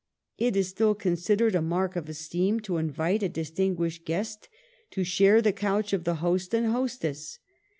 It is still considered a mark of esteem to invite a distin guished guest to share the couch of the host and hostess.